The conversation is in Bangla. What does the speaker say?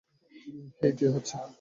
হেই কি হচ্ছে?